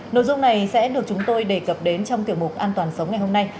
nội dung này sẽ được chúng tôi đề cập đến trong tiểu mục an toàn sống ngày hôm nay